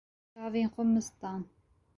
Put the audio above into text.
Çavên xwe mist dan.